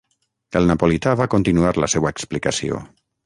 El napolità va continuar la seua explicació.